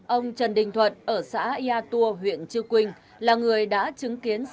ông trần đình thuận ở xã yatua huyện chư quynh là người đã chứng kiến